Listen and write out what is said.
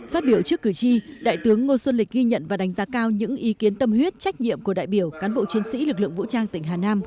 phát biểu trước cử tri đại tướng ngô xuân lịch ghi nhận và đánh giá cao những ý kiến tâm huyết trách nhiệm của đại biểu cán bộ chiến sĩ lực lượng vũ trang tỉnh hà nam